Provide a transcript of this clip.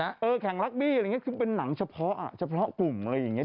เออแข่งลักบี้อะไรอย่างนี้คือเป็นหนังเฉพาะอ่ะเฉพาะกลุ่มอะไรอย่างเงี้